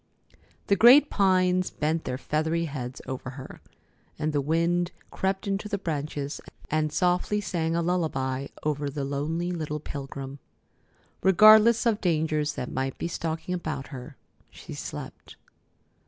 The great pines bent their feathery heads over her, and the wind crept into the branches and softly sang a lullaby over the lonely little pilgrim. Regardless of dangers that might be stalking about her, she slept.